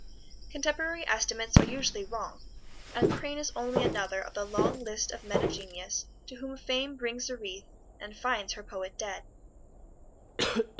Contemporary estimates are usually wrong, and Crane is only another of the long list of men of genius to whom Fame brings a wreath and finds her poet dead.